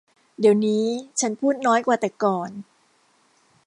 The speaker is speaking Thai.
เดี๋ยวนี้ฉันพูดน้อยกว่าแต่ก่อน